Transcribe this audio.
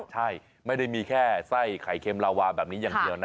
ใช่ไม่ได้มีแค่ไส้ไข่เค็มลาวาแบบนี้อย่างเดียวนะ